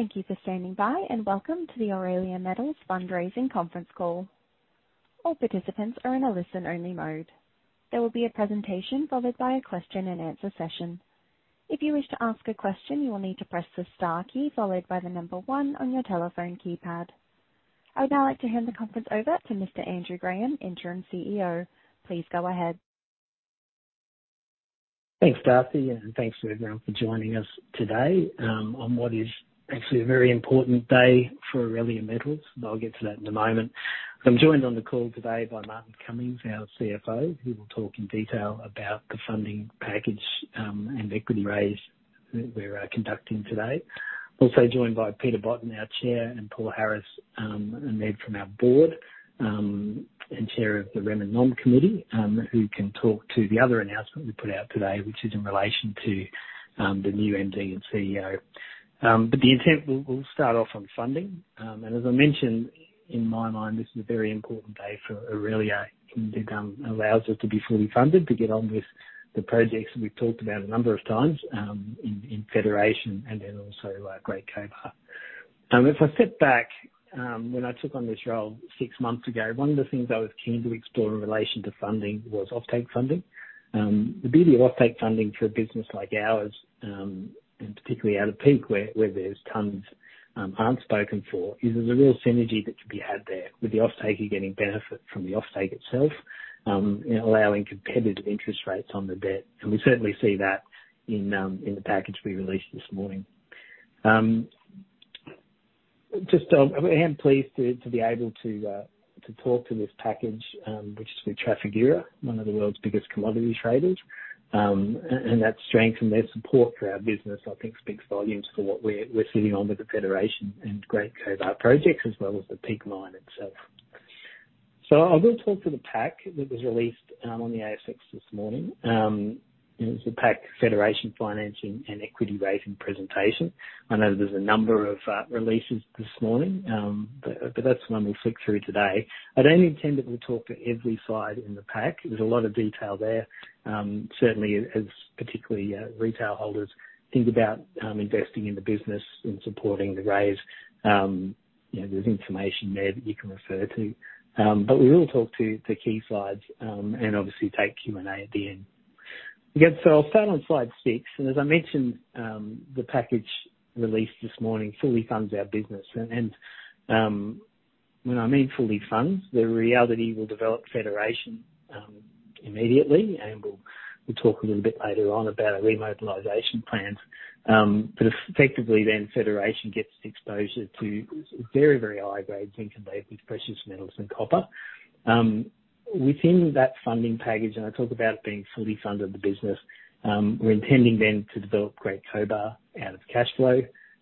Thank you for standing by, and welcome to the Aurelia Metals Fundraising conference call. All participants are in a listen-only mode. There will be a presentation followed by a question and answer session. If you wish to ask a question, you will need to press the star key followed by the number one on your telephone keypad. I would now like to hand the conference over to Mr. Andrew Graham, Interim CEO. Please go ahead. Thanks, Ashley, thanks, everyone, for joining us today, on what is actually a very important day for Aurelia Metals, and I'll get to that in a moment. I'm joined on the call today by Martin Cummings, our CFO, who will talk in detail about the funding package, and equity raise that we're conducting today. Also joined by Peter Botten, our Chair, and Paul Harris, a lead from our Board, and Chair of the Rem and Nom Committee, who can talk to the other announcement we put out today, which is in relation to the new MD and CEO. We'll start off on funding. As I mentioned, in my mind, this is a very important day for Aurelia. It allows us to be fully funded to get on with the projects that we've talked about a number of times, in Federation and then also, Great Cobar. If I step back, when I took on this role six months ago, one of the things I was keen to explore in relation to funding was offtake funding. The beauty of offtake funding for a business like ours, and particularly out of Peak, where there's tons aren't spoken for, is there's a real synergy that can be had there. With the offtake, you're getting benefit from the offtake itself, and allowing competitive interest rates on the debt, and we certainly see that in the package we released this morning. Just, I am pleased to be able to talk to this package, which is with Trafigura, one of the world's biggest commodity traders. That strength and their support for our business, I think, speaks volumes for what we're sitting on with the Federation and Great Cobar projects, as well as the Peak Mine itself. I'll go talk to the pack that was released on the ASX this morning. It was the pack Federation financing and equity raising presentation. I know there's a number of releases this morning, but that's the one we'll flick through today. I don't intend that we talk to every side in the pack. There's a lot of detail there, certainly as particularly retail holders think about investing in the business and supporting the raise. You know, there's information there that you can refer to. We will talk to key slides, and obviously take Q&A at the end. Again, I'll start on slide six, as I mentioned, the package released this morning fully funds our business. When I mean fully funds, the reality will develop Federation immediately, and we'll talk a little bit later on about our remobilization plans. Effectively then, Federation gets exposure to very, very high-grade zinc and lead with precious metals and copper. Within that funding package, and I talk about it being fully funded, the business, we're intending then to develop Great Cobar out of cash flow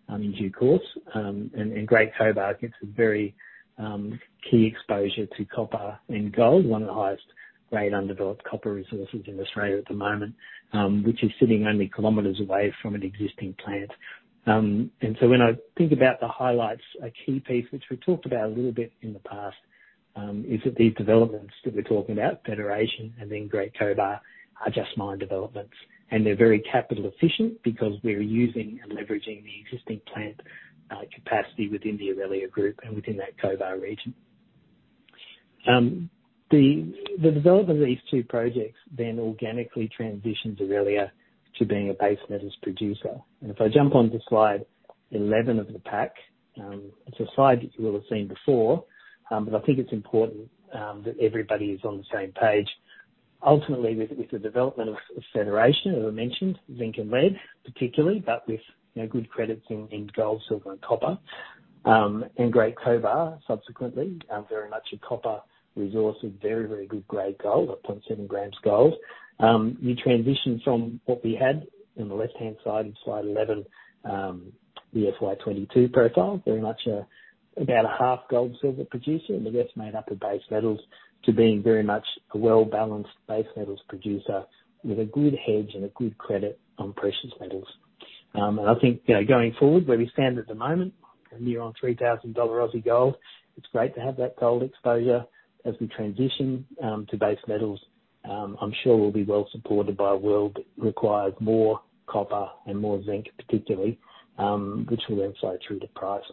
in due course. Great Cobar gives a very key exposure to copper and gold, one of the highest-grade undeveloped copper resources in Australia at the moment, which is sitting only kilometers away from an existing plant. When I think about the highlights, a key piece which we talked about a little bit in the past, is that these developments that we're talking about, Federation and then Great Cobar, are just mine developments. They're very capital efficient because we're using and leveraging the existing plant, capacity within the Aurelia Group and within that Cobar region. The development of these two projects then organically transitions Aurelia to being a base metals producer. If I jump onto slide 11 of the pack, it's a slide that you will have seen before, I think it's important that everybody is on the same page. Ultimately, with the development of Federation, as I mentioned, zinc and lead, particularly, but with, you know, good credits in gold, silver, and copper. Great Cobar, subsequently, very much a copper resource with very good-grade gold, like 0.7 grams gold. We transition from what we had in the left-hand side of slide 11, the FY 2022 profile, very much about a half gold silver producer, and the rest made up of base metals, to being very much a well-balanced base metals producer with a good hedge and a good credit on precious metals. I think, you know, going forward, where we stand at the moment, a near on 3,000 Aussie dollars gold, it's great to have that gold exposure. As we transition to base metals, I'm sure we'll be well supported by a world that requires more copper and more zinc, particularly, which will then flow through to price.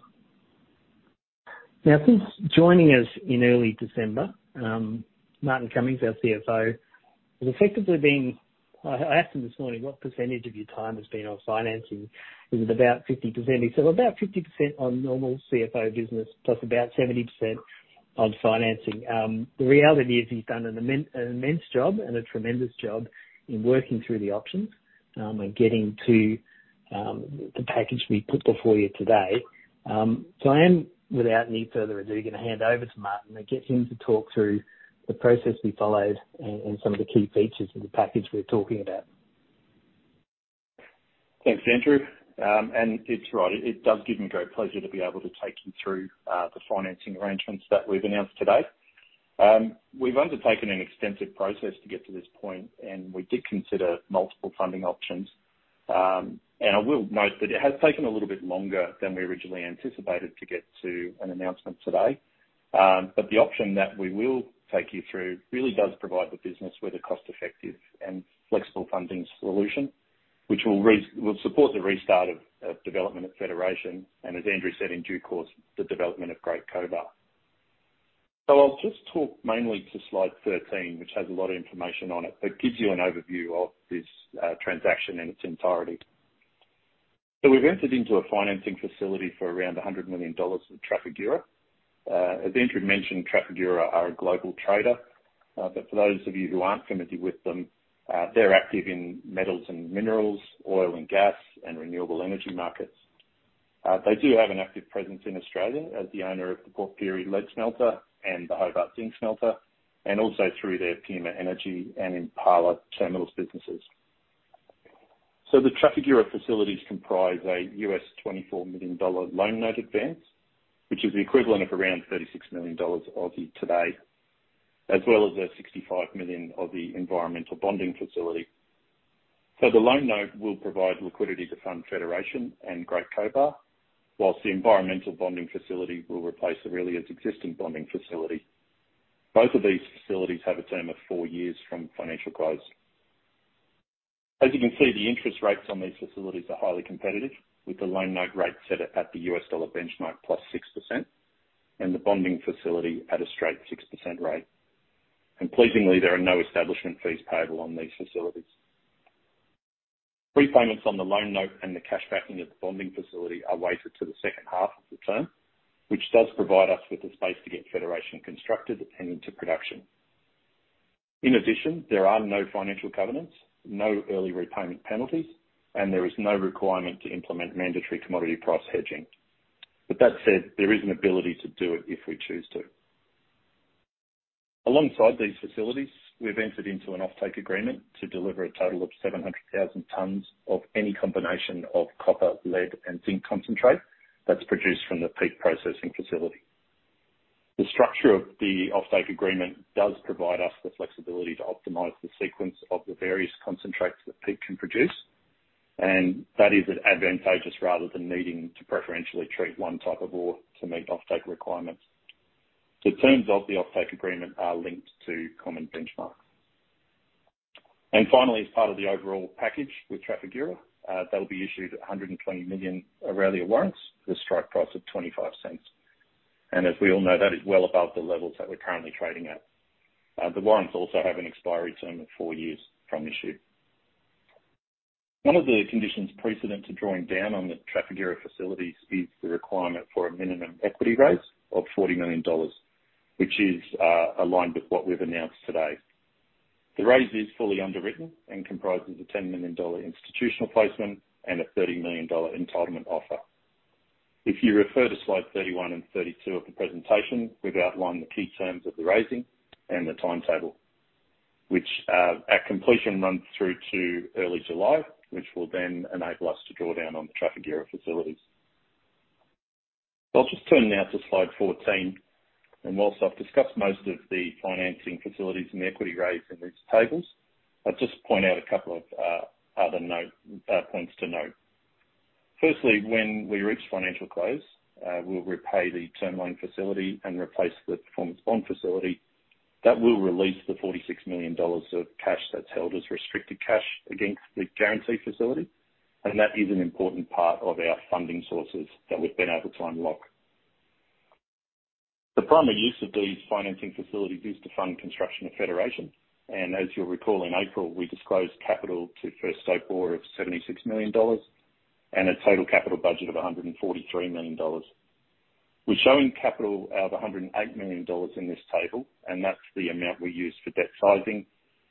Since joining us in early December, Martin Cummings, our CFO, has effectively been. I asked him this morning, "What percentage of your time has been on financing? Is it about 50%?" He said, "About 50% on normal CFO business, plus about 70% on financing." The reality is he's done an immense job and a tremendous job in working through the options and getting to the package we put before you today. I am, without any further ado, gonna hand over to Martin and get him to talk through the process we followed and some of the key features of the package we're talking about. Thanks, Andrew. It's right, it does give me great pleasure to be able to take you through the financing arrangements that we've announced today. We've undertaken an extensive process to get to this point, and we did consider multiple funding options. I will note that it has taken a little bit longer than we originally anticipated to get to an announcement today. The option that we will take you through really does provide the business with a cost-effective and flexible funding solution, which will support the restart of development at Federation, and as Andrew said, in due course, the development of Great Cobar. I'll just talk mainly to slide 13, which has a lot of information on it, but gives you an overview of this transaction in its entirety. We've entered into a financing facility for around 100 million dollars with Trafigura. As Andrew mentioned, Trafigura are a global trader, but for those of you who aren't familiar with them, they're active in metals and minerals, oil and gas, and renewable energy markets. They do have an active presence in Australia as the owner of the Port Pirie Lead Smelter and the Hobart Zinc Smelter, and also through their Puma Energy and Impala Terminals businesses. The Trafigura facilities comprise a U.S. $24 million loan note advance, which is the equivalent of around 36 million Aussie dollars today, as well as an 65 million Aussie dollars environmental bond facility. The loan note will provide liquidity to fund Federation and Great Cobar, whilst the environmental bond facility will replace Aurelia's existing bonding facility. Both of these facilities have a term of four years from financial close. As you can see, the interest rates on these facilities are highly competitive, with the loan note rate set at the U.S. dollar benchmark plus 6%, and the bonding facility at a straight 6% rate. Pleasingly, there are no establishment fees payable on these facilities. Prepayments on the loan note and the cash backing of the bonding facility are waived to the second half of the term, which does provide us with the space to get Federation constructed and into production. In addition, there are no financial covenants, no early repayment penalties, and there is no requirement to implement mandatory commodity price hedging. With that said, there is an ability to do it if we choose to. Alongside these facilities, we've entered into an offtake agreement to deliver a total of 700,000 tons of any combination of copper, lead, and zinc concentrate that's produced from the Peak processing facility. The structure of the offtake agreement does provide us the flexibility to optimize the sequence of the various concentrates that Peak can produce, and that is advantageous rather than needing to preferentially treat one type of ore to meet offtake requirements. The terms of the offtake agreement are linked to common benchmarks. Finally, as part of the overall package with Trafigura, they'll be issued 120 million Aurelia warrants, with a strike price of 0.25. As we all know, that is well above the levels that we're currently trading at. The warrants also have an expiry term of four years from issue. One of the conditions precedent to drawing down on the Trafigura facilities is the requirement for a minimum equity raise of 40 million dollars, which is aligned with what we've announced today. The raise is fully underwritten and comprises an 10 million dollar institutional placement and an 30 million dollar entitlement offer. If you refer to slide 31 and 32 of the presentation, we've outlined the key terms of the raising and the timetable, which, at completion, runs through to early July, which will then enable us to draw down on the Trafigura facilities. I'll just turn now to slide 14. Whilst I've discussed most of the financing facilities and the equity raise in these tables, I'll just point out a couple of other points to note. Firstly, when we reach financial close, we'll repay the term loan facility and replace the performance bond facility. That will release the 46 million dollars of cash that's held as restricted cash against the guarantee facility. That is an important part of our funding sources that we've been able to unlock. The primary use of these financing facilities is to fund construction of Federation. As you'll recall, in April, we disclosed capital to first stope ore of AUD 76 million and a total capital budget of AUD 143 million. We're showing capital of AUD 108 million in this table. That's the amount we used for debt sizing,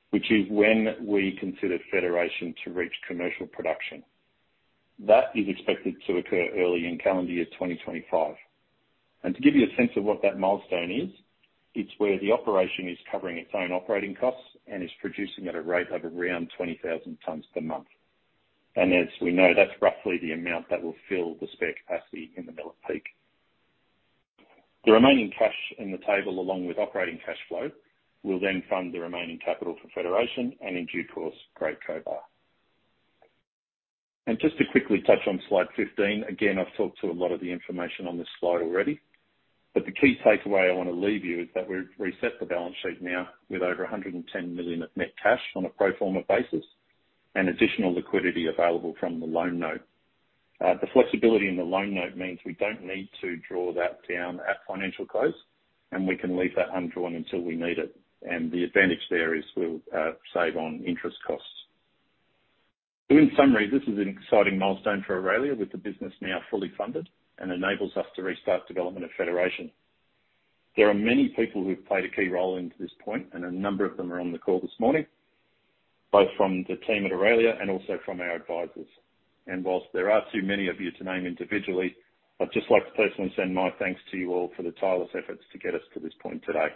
which is when we considered Federation to reach commercial production. That is expected to occur early in calendar year 2025. To give you a sense of what that milestone is, it's where the operation is covering its own operating costs and is producing at a rate of around 20,000 tons per month. As we know, that's roughly the amount that will fill the spare capacity in the mill at Peak. The remaining cash in the table, along with operating cash flow, will then fund the remaining capital for Federation and in due course, Great Cobar. Just to quickly touch on slide 15, again, I've talked to a lot of the information on this slide already, but the key takeaway I want to leave you is that we've reset the balance sheet now with over 110 million of net cash on a pro forma basis, and additional liquidity available from the loan note. The flexibility in the loan note means we don't need to draw that down at financial close, and we can leave that undrawn until we need it, and the advantage there is we'll save on interest costs. In summary, this is an exciting milestone for Aurelia, with the business now fully funded and enables us to restart development of Federation. There are many people who've played a key role into this point, and a number of them are on the call this morning, both from the team at Aurelia and also from our advisors. Whilst there are too many of you to name individually, I'd just like to personally send my thanks to you all for the tireless efforts to get us to this point today.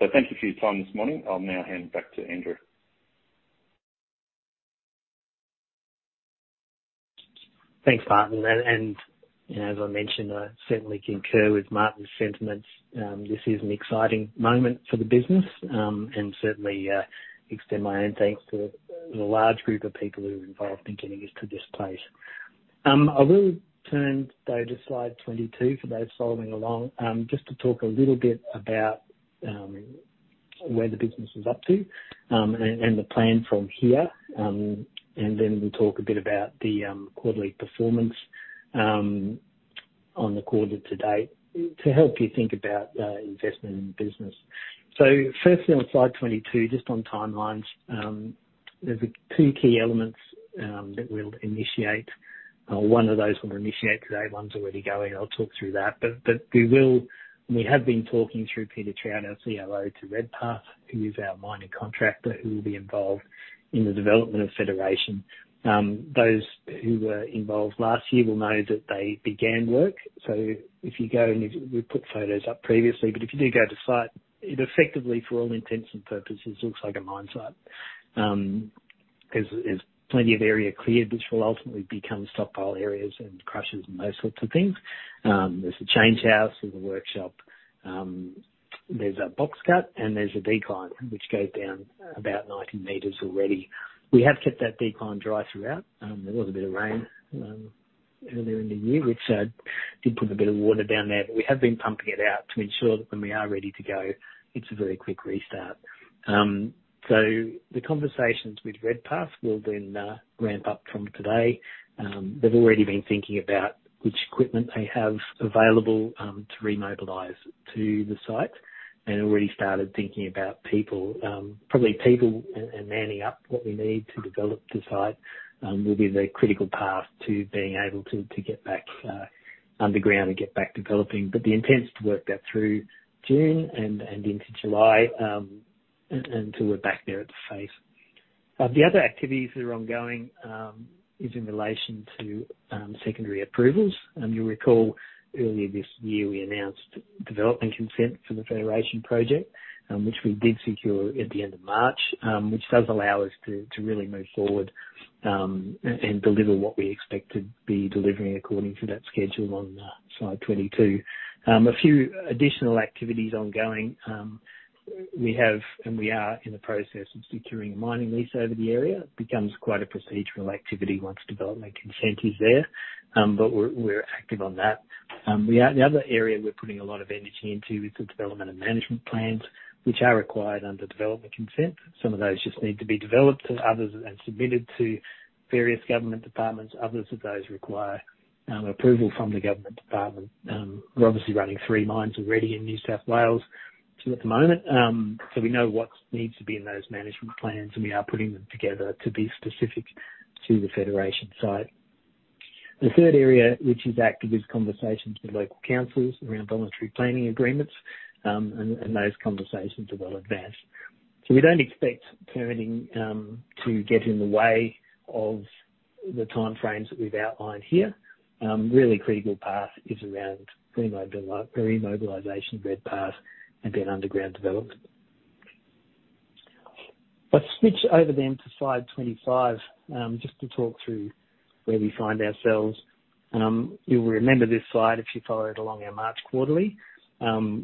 Thank you for your time this morning. I'll now hand back to Andrew. Thanks, Martin, and as I mentioned, I certainly concur with Martin's sentiments. This is an exciting moment for the business, and certainly extend my own thanks to the large group of people who are involved in getting us to this place. I will turn today to slide 22 for those following along, just to talk a little bit about where the business is up to, and the plan from here. Then we'll talk a bit about the quarterly performance on the quarter to date, to help you think about investment in the business. Firstly, on slide 22, just on timelines, there's two key elements that we'll initiate. One of those we'll initiate today, one's already going. I'll talk through that. We have been talking through Peter Trout, our COO, to Redpath, who is our mining contractor, who will be involved in the development of Federation. Those who were involved last year will know that they began work. We've put photos up previously, but if you do go to site, it effectively, for all intents and purposes, looks like a mine site. There's plenty of area cleared, which will ultimately become stockpile areas and crushes and those sorts of things. There's a change house, there's a workshop, there's a box cut, and there's a decline, which goes down about 90 meters already. We have kept that decline dry throughout. There was a bit of rain earlier in the year, which did put a bit of water down there, but we have been pumping it out to ensure that when we are ready to go, it's a very quick restart. The conversations with Redpath will then ramp up from today. They've already been thinking about which equipment they have available to remobilize to the site and already started thinking about people. Probably people and manning up what we need to develop the site will be the critical path to being able to get back underground and get back developing. The intent is to work that through June and into July until we're back there at the phase. The other activities that are ongoing is in relation to secondary approvals. You'll recall earlier this year, we announced Development Consent for the Federation project, which we did secure at the end of March, which does allow us to really move forward and deliver what we expect to be delivering according to that schedule on slide 22. A few additional activities ongoing. We have, and we are in the process of securing a mining lease over the area. Becomes quite a procedural activity once Development Consent is there, we're active on that. The other area we're putting a lot of energy into is the development and management plans, which are required under Development Consent. Some of those just need to be developed, and others submitted to various government departments. Others of those require approval from the government department. We're obviously running three mines already in New South Wales, two at the moment, we know what needs to be in those management plans, and we are putting them together to be specific to the Federation site. The third area, which is active, is conversations with local councils around Voluntary Planning Agreements, those conversations are well advanced. We don't expect permitting to get in the way of the timeframes that we've outlined here. Really critical path is around remobilization of Redpath and then underground development. I'll switch over to slide 25 just to talk through where we find ourselves. You'll remember this slide if you followed along our March quarterly,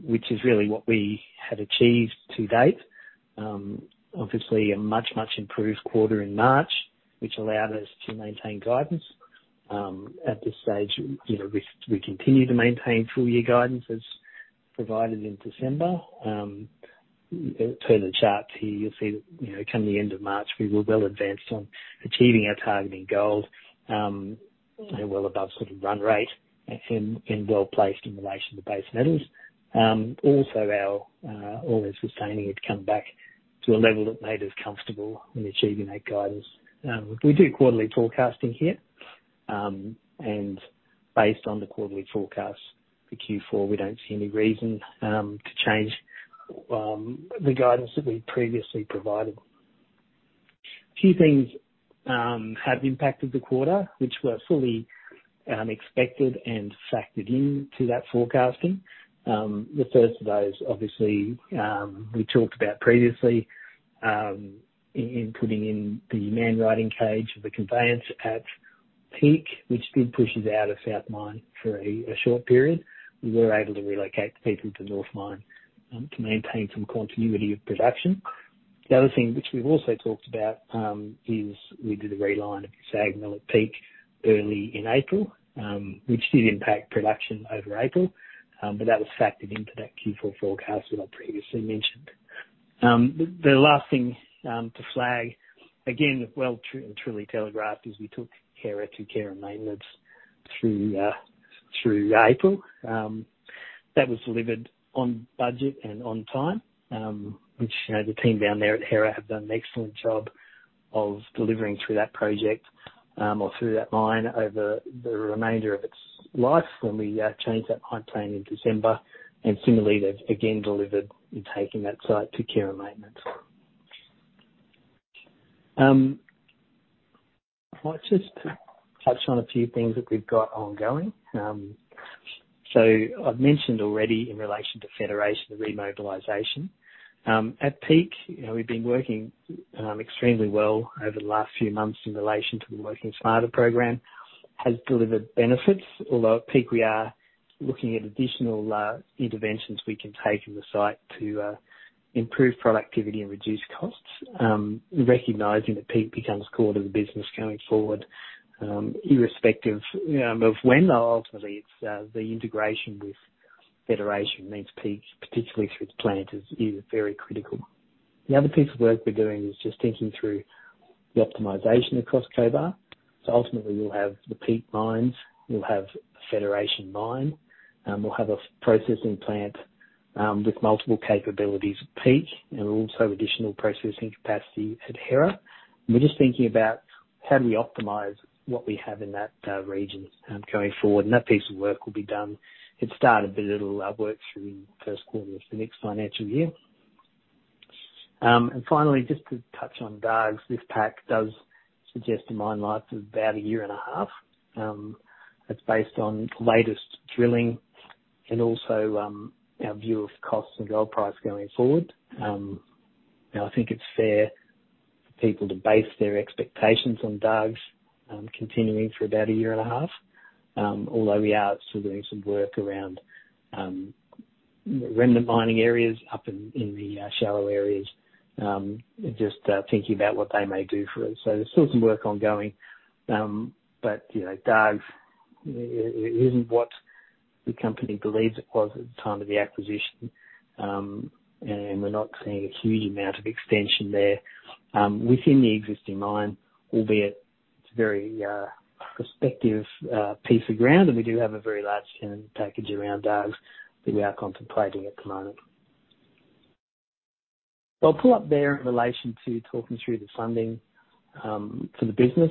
which is really what we had achieved to date. Obviously a much, much improved quarter in March, which allowed us to maintain guidance. At this stage, you know, we continue to maintain full year guidance as provided in December. Turn the charts here, you'll see that, you know, come the end of March, we were well advanced on achieving our target in gold, and well above sort of run rate and well placed in relation to base metals. Also our ore is sustaining. It's come back to a level that made us comfortable in achieving that guidance. We do quarterly forecasting here, and based on the quarterly forecast for Q4, we don't see any reason to change the guidance that we previously provided. A few things have impacted the quarter, which were fully expected and factored into that forecasting. The first of those, obviously, we talked about previously, in putting in the man riding cage, the conveyance at Peak, which did push us out of South Mine for a short period. We were able to relocate the people to North Mine to maintain some continuity of production. The other thing which we've also talked about is we did a reline of the SAG mill at Peak early in April, which did impact production over April, but that was factored into that Q4 forecast that I previously mentioned. The last thing to flag, again, well, true and truly telegraphed, is we took Hera to care and maintenance through April. That was delivered on budget and on time, which, you know, the team down there at Hera have done an excellent job of delivering through that project, or through that mine over the remainder of its life when we changed that mine plan in December. Similarly, they've again delivered in taking that site to care and maintenance. I'll just touch on a few things that we've got ongoing. I've mentioned already in relation to Federation, the remobilization. At Peak, you know, we've been working extremely well over the last few months in relation to the Working Smarter program, has delivered benefits, although at Peak we are looking at additional interventions we can take in the site to improve productivity and reduce costs. Recognizing that Peak becomes core to the business going forward, irrespective, of when, ultimately, it's, the integration with Federation Mine means Peak, particularly through the plant, is very critical. The other piece of work we're doing is just thinking through the optimization across Cobar. Ultimately, we'll have the Peak Mines, we'll have the Federation Mine, we'll have a processing plant, with multiple capabilities at Peak and also additional processing capacity at Hera. We're just thinking about how do we optimize what we have in that region, going forward? That piece of work will be done. It started, but it'll work through the first quarter of the next financial year. Finally, just to touch on Dargues, this pack does suggest a mine life of about a year and a half. That's based on the latest drilling and also, our view of costs and gold price going forward. Now, I think it's fair for people to base their expectations on Dargues continuing for about a year and a half. Although we are still doing some work around remnant mining areas up in the shallow areas, just thinking about what they may do for us. There's still some work ongoing. You know, Dargues isn't what the company believes it was at the time of the acquisition, and we're not seeing a huge amount of extension there, within the existing mine, albeit it's a very prospective piece of ground, and we do have a very large tenure package around Dargues that we are contemplating at the moment. I'll pull up there in relation to talking through the funding for the business.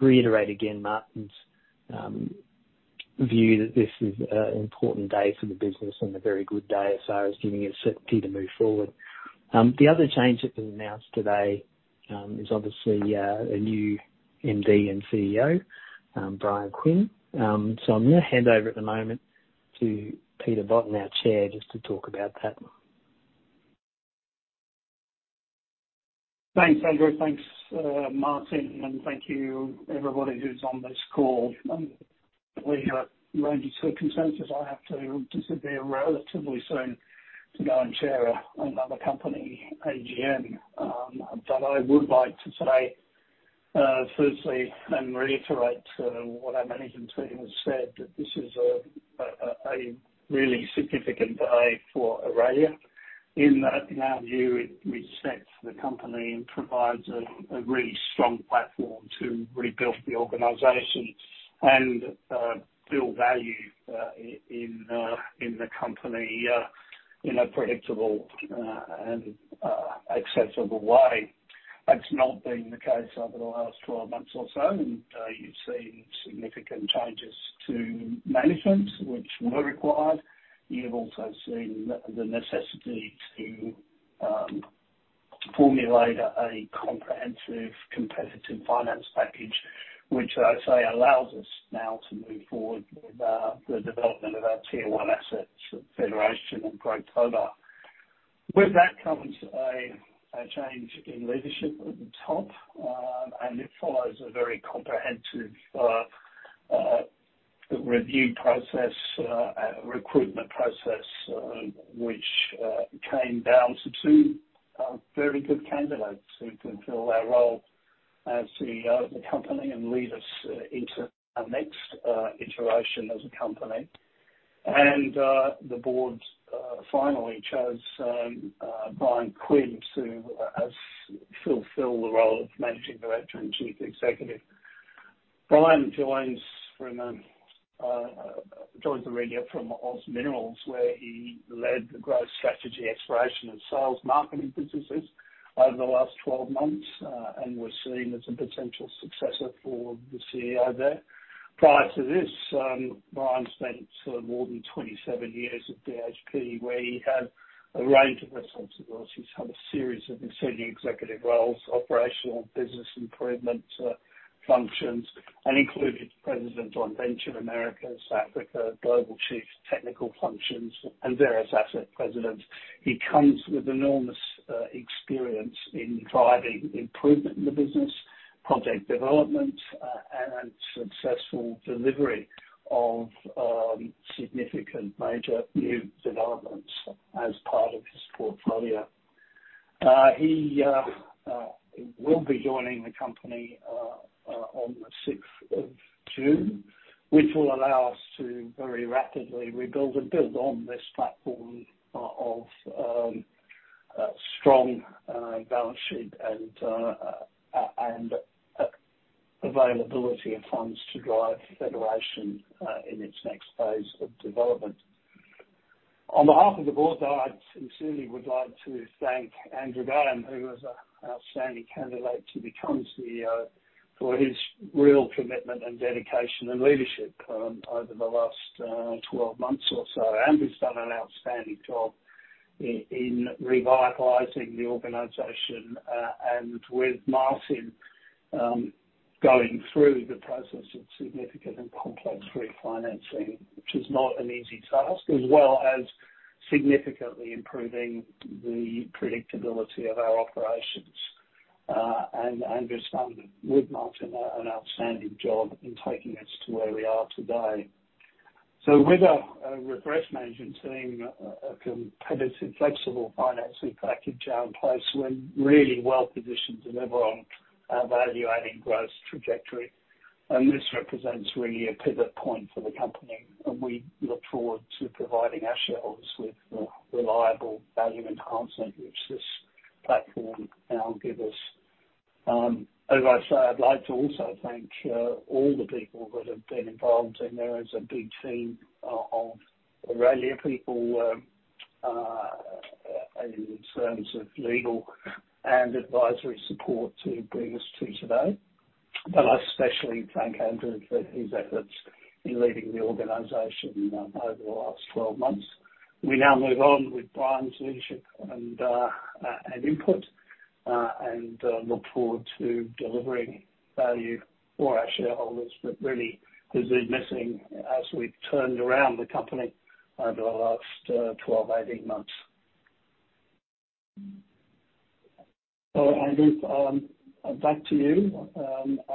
Reiterate again, Martin's view that this is an important day for the business and a very good day as far as giving us certainty to move forward. The other change that was announced today is obviously a new MD and CEO, Bryan Quinn. I'm going to hand over at the moment to Peter Botten, our Chair, just to talk about that. Thanks, Andrew. Thanks, Martin, and thank you everybody who's on this call. We have range of circumstances. I have to disappear relatively soon to go and chair another company, AGM. I would like to say, firstly, and reiterate, what our management team has said, that this is a really significant day for Aurelia. In our view, it resets the company and provides a really strong platform to rebuild the organization and build value in the company in a predictable and accessible way. That's not been the case over the last 12 months or so, and you've seen significant changes to management, which were required. You've also seen the necessity to formulate a comprehensive, competitive finance package, which I'd say allows us now to move forward with the development of our Tier One assets at Federation and Great Cobar. With that comes a change in leadership at the top, and it follows a very comprehensive review process and recruitment process which came down to two very good candidates who could fill that role as CEO of the company and lead us into our next iteration as a company. The board finally chose Bryan Quinn to fulfill the role of Managing Director and Chief Executive. Bryan joins from joins Aurelia from OZ Minerals, where he led the growth strategy, exploration, and sales marketing businesses over the last 12 months and was seen as a potential successor for the CEO there. Prior to this, Bryan spent more than 27 years at BHP, where he had a range of responsibilities. He's had a series of senior executive roles, operational business improvement functions, and included President Joint Ventures Americas, Africa, Global Chief Technical Functions, and various asset presidents. He comes with enormous experience in driving improvement in the business, project development, and successful delivery of significant major new developments as part of his portfolio. He will be joining the company on the 6th of June, which will allow us to very rapidly rebuild and build on this platform of strong balance sheet and availability of funds to drive Federation in its next phase of development. On behalf of the board, I'd sincerely would like to thank Andrew Graham, who was an outstanding candidate to become CEO, for his real commitment and dedication, and leadership over the last 12 months or so. Andrew's done an outstanding job in revitalizing the organization, and with Martin going through the process of significant and complex refinancing, which is not an easy task, as well as significantly improving the predictability of our operations. Andrew's done, with Martin, an outstanding job in taking us to where we are today. With our risk management seeing a competitive, flexible financing package now in place, we're really well positioned to deliver on our value-adding growth trajectory. This represents really a pivot point for the company, and we look forward to providing our shareholders with the reliable value enhancement, which this platform now give us. As I say, I'd like to also thank all the people that have been involved, and there is a big team of Aurelia people in terms of legal and advisory support to bring us to today. I especially thank Andrew for his efforts in leading the organization over the last 12 months. We now move on with Bryan's leadership and and input and look forward to delivering value for our shareholders that really has been missing as we've turned around the company over the last 12, 18 months. Andrew, back to you.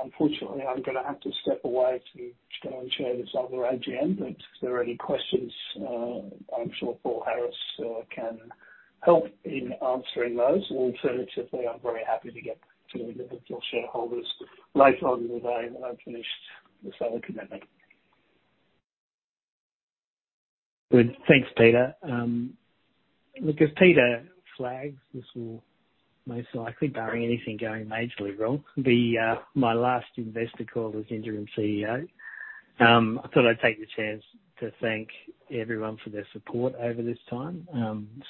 Unfortunately, I'm gonna have to step away to go and chair this other AGM. If there are any questions, I'm sure Paul Harris can help in answering those. Alternatively, I'm very happy to get to individual shareholders later on in the day when I've finished this other commitment. Good. Thanks, Peter. Look, as Peter flagged, this will most likely, barring anything going majorly wrong, be my last investor call as interim CEO. I thought I'd take the chance to thank everyone for their support over this time.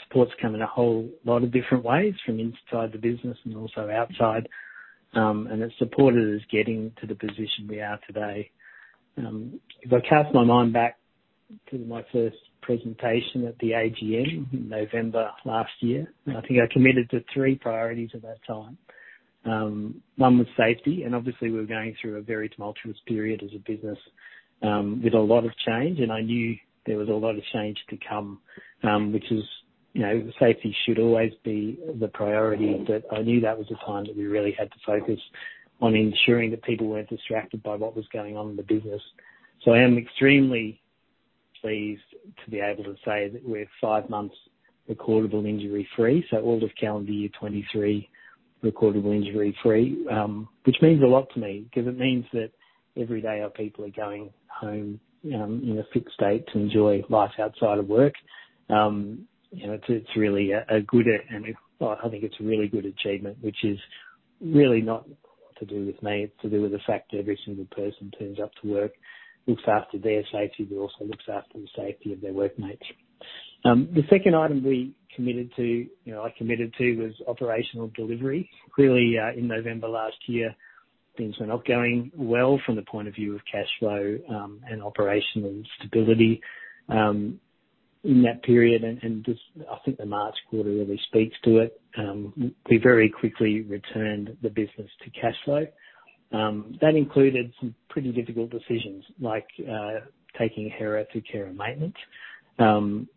Support's come in a whole lot of different ways, from inside the business and also outside. It's supported us getting to the position we are today. If I cast my mind back to my first presentation at the AGM in November last year, I think I committed to three priorities at that time. One was safety, and obviously we were going through a very tumultuous period as a business, with a lot of change, and I knew there was a lot of change to come, which is, you know, safety should always be the priority. I knew that was a time that we really had to focus on ensuring that people weren't distracted by what was going on in the business. I am extremely pleased to be able to say that we're five months recordable injury-free, so all of calendar year 23, recordable injury-free, which means a lot to me, because it means that every day our people are going home, in a fit state to enjoy life outside of work. You know, it's really a good, and I think it's a really good achievement, which is really not to do with me. It's to do with the fact that every single person turns up to work, looks after their safety, but also looks after the safety of their workmates. The second item we committed to, you know, I committed to, was operational delivery. Clearly, in November last year, things were not going well from the point of view of cashflow and operational stability in that period. This, I think, the March quarter really speaks to it. We very quickly returned the business to cashflow. That included some pretty difficult decisions, like taking Hera to care and maintenance.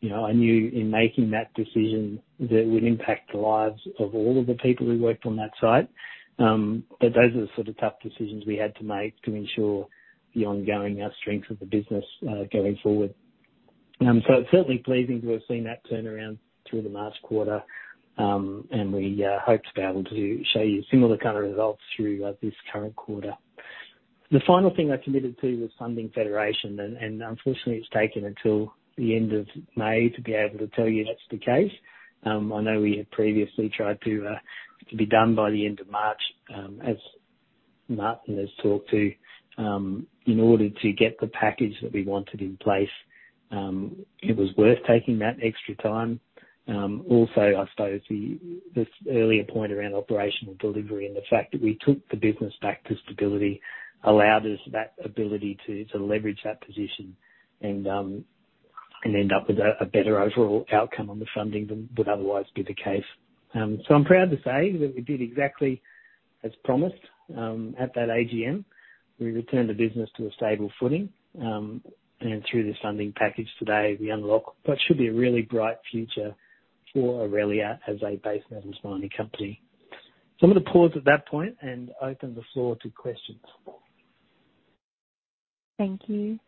You know, I knew in making that decision that it would impact the lives of all of the people who worked on that site. Those are the sort of tough decisions we had to make to ensure the ongoing strength of the business going forward. It's certainly pleasing to have seen that turnaround through the last quarter. We hope to be able to show you similar kind of results through this current quarter. The final thing I committed to was funding Federation, unfortunately, it's taken until the end of May to be able to tell you that's the case. I know we had previously tried to be done by the end of March, as Martin has talked to. In order to get the package that we wanted in place, it was worth taking that extra time. I suppose the, this earlier point around operational delivery and the fact that we took the business back to stability allowed us that ability to leverage that position and end up with a better overall outcome on the funding than would otherwise be the case. I'm proud to say that we did exactly as promised at that AGM. We returned the business to a stable footing. Through the funding package today, we unlock what should be a really bright future for Aurelia as a base metals mining company. I'm going to pause at that point and open the floor to questions. Thank you.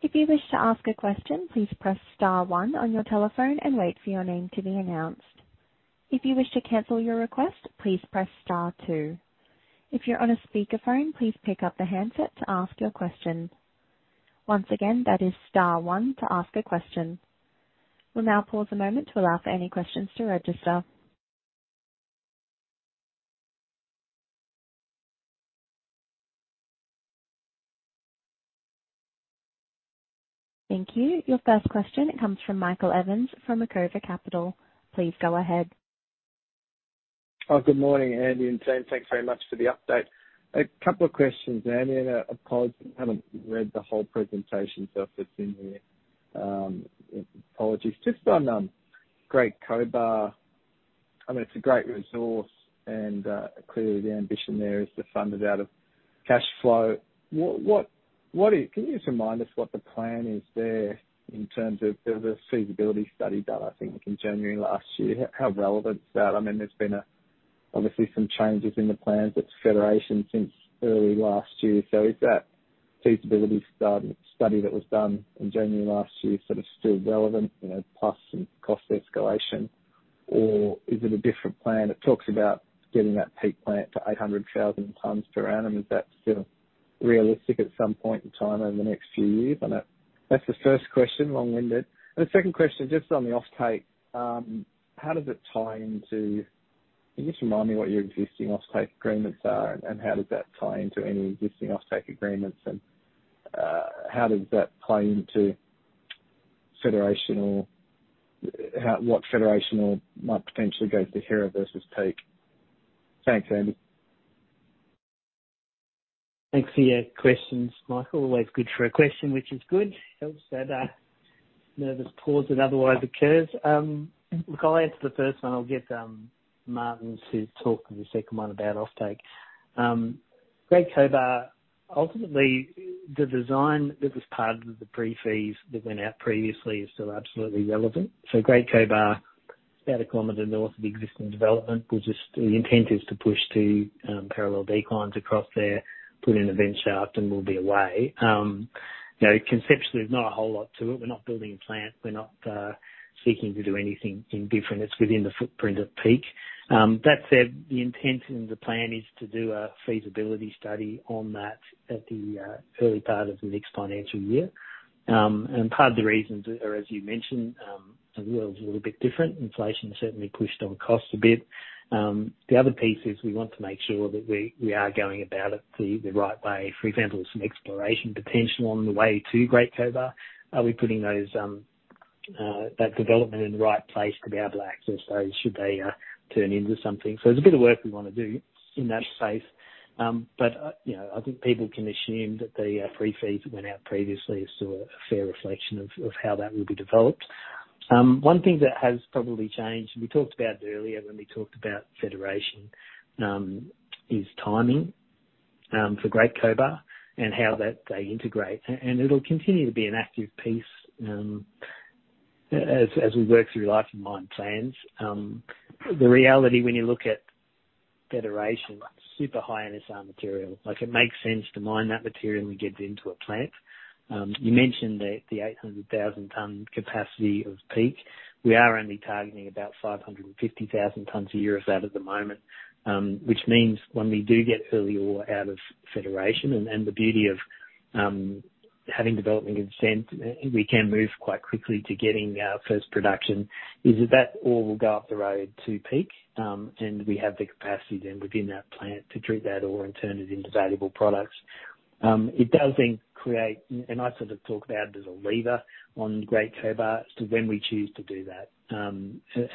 If you wish to ask a question, please press star one on your telephone and wait for your name to be announced. If you wish to cancel your request, please press star two. If you're on a speakerphone, please pick up the handset to ask your question. Once again, that is star one to ask a question. We'll now pause a moment to allow for any questions to register. Thank you. Your first question comes from Michael Evans from Macquarie Capital. Please go ahead. Good morning, Andy and team. Thanks very much for the update. A couple of questions, Andy, and I apologize. I haven't read the whole presentation, so if it's in there, apologies. Just on, Great Cobar, I mean, it's a great resource, and clearly the ambition there is to fund it out of cash flow, can you just remind us what the plan is there in terms of, there was a feasibility study done, I think, in January last year. How relevant is that? I mean, there's been a, obviously some changes in the plans at Federation since early last year. So is that feasibility study that was done in January last year sort of still relevant, you know, plus some cost escalation, or is it a different plan? It talks about getting that Peak plant to 800,000 tons per annum. Is that still realistic at some point in time over the next few years? That's the first question, long-winded. The second question, just on the offtake, how does it tie into, can you just remind me what your existing offtake agreements are, and how does that tie into any existing offtake agreements? How does that play into Federation or how, what Federation or might potentially go to Hera versus Peak? Thanks, Andy. Thanks for your questions, Michael. Always good for a question, which is good. Helps that nervous pause that otherwise occurs. Look, I'll answer the first one. I'll get Martin to talk to the second one about offtake. Great Cobar, ultimately, the design that was part of the pre-feasibility that went out previously is still absolutely relevant. Great Cobar, about a kilometer north of the existing development. The intent is to push to parallel declines across there, put in a vent shaft and move away. You know, conceptually, there's not a whole lot to it. We're not building a plant. We're not seeking to do anything indifferent. It's within the footprint of Peak. That said, the intent and the plan is to do a feasibility study on that at the early part of the next financial year. Part of the reasons are, as you mentioned, the world's a little bit different. Inflation certainly pushed on costs a bit. The other piece is we want to make sure that we are going about it the right way. For example, some exploration potential on the way to Great Cobar. Are we putting those, that development in the right place to be able to access those, should they turn into something? There's a bit of work we want to do in that space. You know, I think people can assume that the pre-feasibility that went out previously is still a fair reflection of how that will be developed. One thing that has probably changed, and we talked about it earlier when we talked about Federation, is timing for Great Cobar and how that they integrate. It'll continue to be an active piece as we work through life and mine plans. The reality when you look at Federation, super high NSR material, like it makes sense to mine that material and get it into a plant. You mentioned the 800,000 ton capacity of Peak. We are only targeting about 550,000 tons a year of that at the moment. Which means when we do get early ore out of Federation and the beauty of having Development Consent, we can move quite quickly to getting our first production, is that all will go up the road to Peak, and we have the capacity then within that plant to treat that ore and turn it into valuable products. It does then create... I sort of talked about there's a lever on Great Cobar as to when we choose to do that.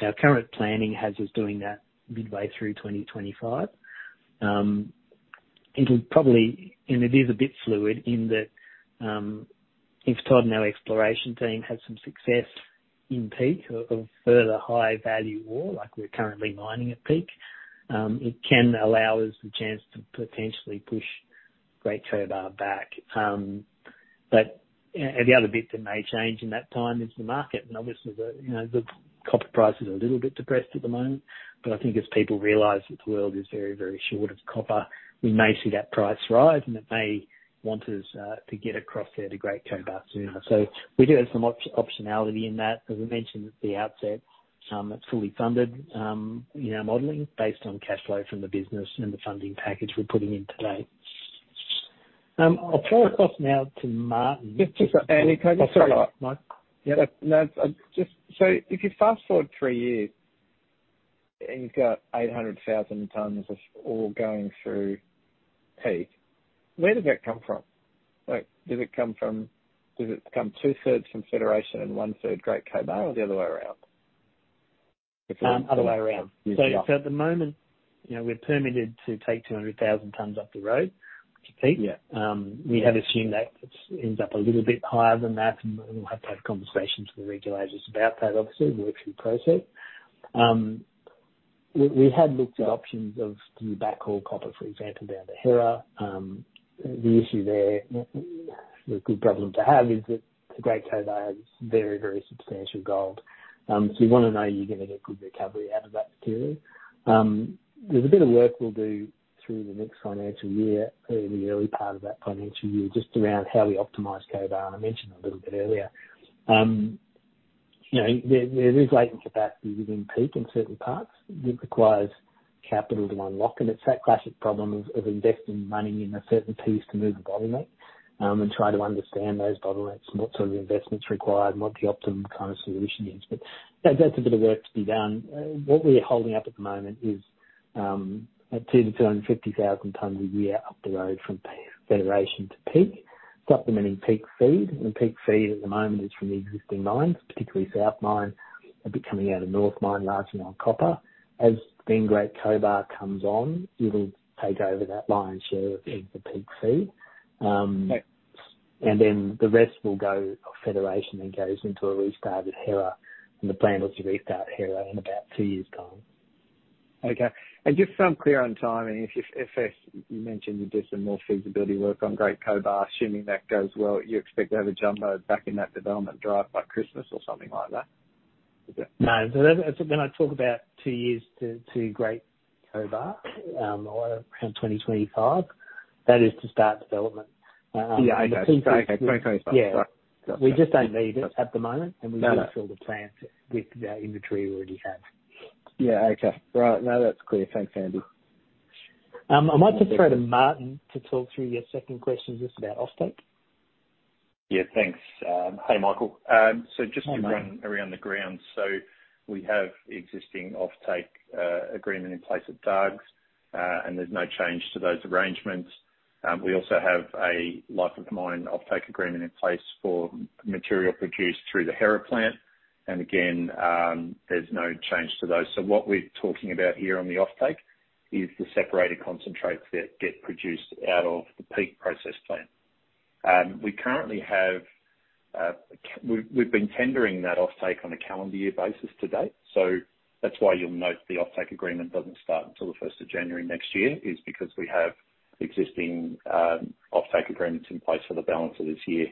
Our current planning has us doing that midway through 2025. It'll probably, and it is a bit fluid in that, if Todd and our exploration team have some success in Peak of further high value ore, like we're currently mining at Peak, it can allow us the chance to potentially push Great Cobar back. The other bit that may change in that time is the market. Obviously, the, you know, the copper price is a little bit depressed at the moment, but I think as people realize that the world is very, very short of copper, we may see that price rise, and it may want us to get across there to Great Cobar sooner. We do have some optionality in that. As we mentioned at the outset, it's fully funded, you know, modeling based on cash flow from the business and the funding package we're putting in today. I'll throw across now to Martin. Just, Andy, can I? Sorry, Mike. Yep. If you fast forward three years, and you've got 800,000 tons of ore going through Peak, where does that come from? Like, does it come two-thirds from Federation and one-third Great Cobar, or the other way around? Other way around. Yeah. At the moment, you know, we're permitted to take 200,000 tons up the road to Peak. Yeah. We have assumed that it ends up a little bit higher than that. We'll have to have conversations with the regulators about that, obviously, and work through process. We had looked at options of backhaul copper, for example, down to Hera. The issue there, a good problem to have, is that the Great Cobar has very substantial gold. You wanna know you're gonna get good recovery out of that material. There's a bit of work we'll do through the next financial year, in the early part of that financial year, just around how we optimize Cobar. I mentioned a little bit earlier. You know, there is latent capacity within Peak in certain parts, which requires capital to unlock, and it's that classic problem of investing money in a certain piece to move the bottleneck, and try to understand those bottlenecks and what sort of investments are required and what the optimum kind of solution is. That's a bit of work to be done. What we're holding up at the moment is at 200,000-250,000 tons a year up the road from Federation to Peak, supplementing Peak feed. Peak feed at the moment is from the existing mines, particularly South Mine, a bit coming out of North Mine, largely on copper. Great Cobar comes on, it'll take over that lion's share of the Peak feed. Okay. The rest will go, of Federation, then goes into a restarted Hera, and the plan was to restart Hera in about two years time. Okay. Just so I'm clear on timing, if, if you mentioned you did some more feasibility work on Great Cobar, assuming that goes well, you expect to have a jumbo back in that development drive by Christmas or something like that? No. When I talk about two years to Great Cobar, or around 2025, that is to start development. Yeah, okay. Okay. 2025. Yeah. Got it. We just don't need it at the moment. No, no. We need to fill the plant with the inventory we already have. Yeah, okay. Right. No, that's clear. Thanks, Andy. I might just throw to Martin to talk through your second question just about offtake. Yeah, thanks. Hi, Michael. Hi, Martin. To run around the ground. We have existing offtake agreement in place at Dargues, and there's no change to those arrangements. We also have a life of mine offtake agreement in place for material produced through the Hera plant. Again, there's no change to those. What we're talking about here on the offtake is the separated concentrates that get produced out of the Peak process plant. We currently have we've been tendering that offtake on a calendar year basis to date, so that's why you'll note the offtake agreement doesn't start until the first of January next year, is because we have existing offtake agreements in place for the balance of this year.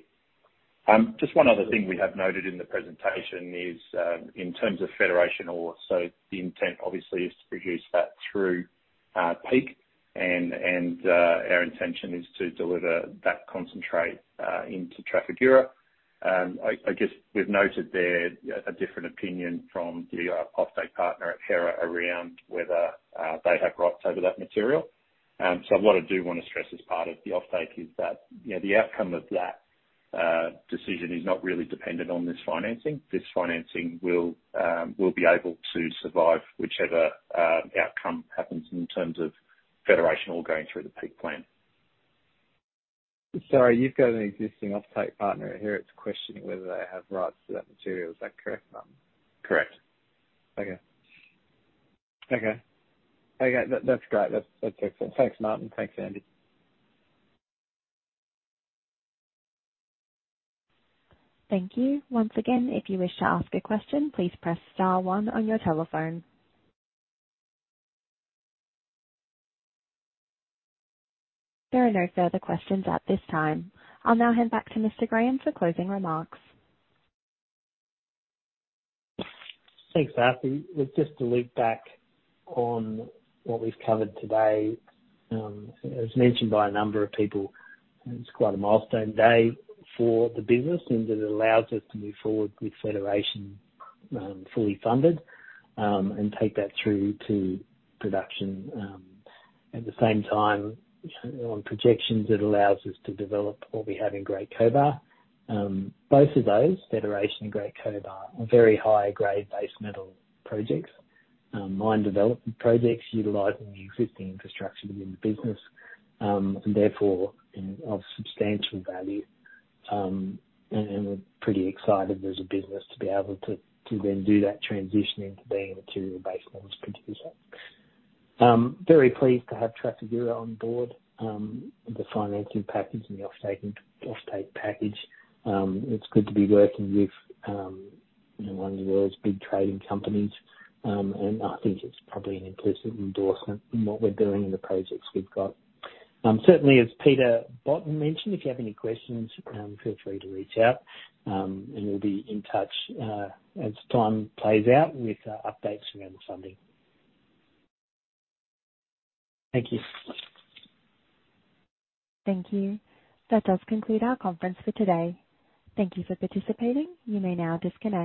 Just one other thing we have noted in the presentation is, in terms of Federation ore, so the intent obviously is to produce that through Peak and our intention is to deliver that concentrate into Trafigura. I guess we've noted there a different opinion from the offtake partner at Hera around whether they have rights over that material. What I do want to stress as part of the offtake is that, you know, the outcome of that decision is not really dependent on this financing. This financing will be able to survive whichever outcome happens in terms of Federation or going through the Peak plant. Sorry, you've got an existing offtake partner, and Hera's questioning whether they have rights to that material. Is that correct, Martin? Correct. Okay. Okay. Okay, that's great. That's excellent. Thanks, Martin. Thanks, Andy. Thank you. Once again, if you wish to ask a question, please press star on your telephone. There are no further questions at this time. I'll now hand back to Mr. Graham for closing remarks. Thanks, Ashley. Just to loop back on what we've covered today. As mentioned by a number of people, it's quite a milestone day for the business, and it allows us to move forward with Federation, fully funded, and take that through to production. At the same time, on projections, it allows us to develop what we have in Great Cobar. Both of those, Federation and Great Cobar, are very high-grade basement projects. Mine development projects utilizing the existing infrastructure within the business, and therefore of substantial value. And we're pretty excited as a business to be able to then do that transition into being a material base metal producer. Very pleased to have Trafigura on board, the financing package and the offtake package. It's good to be working with, you know, one of the world's big trading companies, and I think it's probably an implicit endorsement in what we're doing and the projects we've got. Certainly, as Peter Botten mentioned, if you have any questions, feel free to reach out, and we'll be in touch, as time plays out with updates around the funding. Thank you. Thank you. That does conclude our conference for today. Thank you for participating. You may now disconnect.